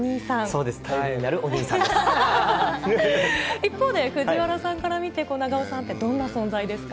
そうです、頼りになるお兄さ一方で、藤原さんから見て長尾さんって、どんな存在ですか？